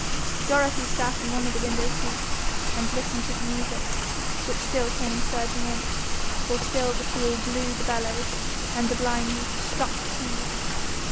Dorothy sat in one of the window seats, and listened to the music, which still came surging in, for still the fool blew the bellows, and the blind youth struck the keys.